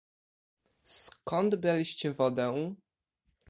"Skąd braliście wodę?"